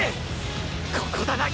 ここだ凪！